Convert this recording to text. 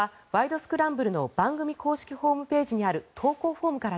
スクランブル」の番組公式ホームページにある投稿フォームから。